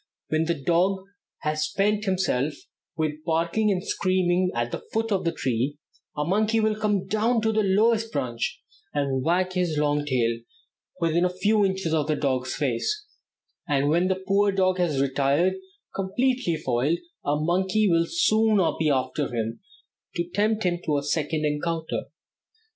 When the dog has spent himself with barking and screaming at the foot of the tree, a monkey will come down to the lowest branch, and wag his long tail within a few inches of the dog's face, and when the poor dog has retired, completely foiled, a monkey will soon be after him to tempt him to a second encounter.